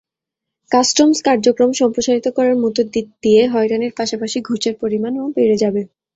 Customs কার্যক্রম সম্প্রসারিত করার মধ্য দিয়ে হয়রানির পাশাপাশি ঘুষের পরিমাণও বেড়ে যাবে।